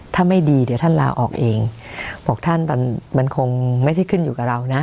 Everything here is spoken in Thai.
ถ้าไม่ดีเดี๋ยวท่านลาออกเองบอกท่านตอนมันคงไม่ได้ขึ้นอยู่กับเรานะ